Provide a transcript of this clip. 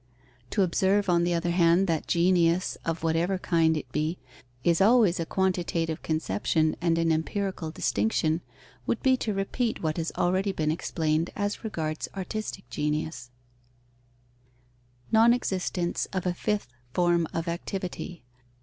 To observe, on the other hand, that genius, of whatever kind it be, is always a quantitative conception and an empirical distinction, would be to repeat what has already been explained as regards artistic genius. _Non existence of a fifth form of activity.